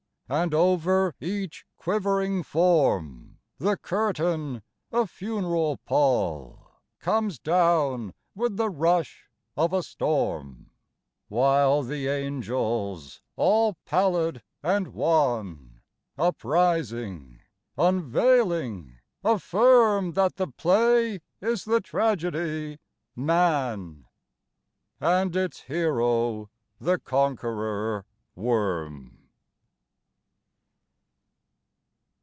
And, over each quivering form, The curtain, a funeral pall, Comes down with the rush of a storm, While the angels, all pallid and wan, Uprising, unveiling, affirmThat the play is the tragedy, 'Man,'And its hero the Conqueror Worm.